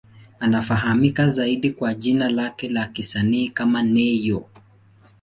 Anafahamika zaidi kwa jina lake la kisanii kama Ne-Yo.